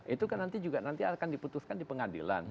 itu kan nanti juga nanti akan diputuskan di pengadilan